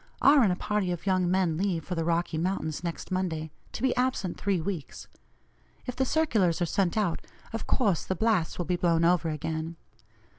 R. and a party of young men leave for the Rocky Mountains next Monday, to be absent three weeks. If the circulars are sent out, of course the blasts will be blown over again.